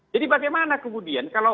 jadi bagaimana kemudian